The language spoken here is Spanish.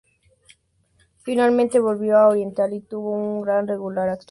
Finalmente volvió a Oriental y tuvo una regular actuación.